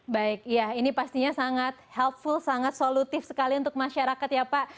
baik ya ini pastinya sangat healthful sangat solutif sekali untuk masyarakat ya pak